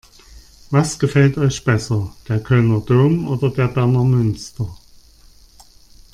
Was gefällt euch besser: Der Kölner Dom oder der Berner Münster?